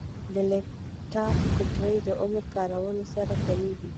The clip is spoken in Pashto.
د لپټاپ بیټرۍ عمر د کارولو سره کمېږي.